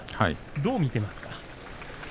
どう見ていますか？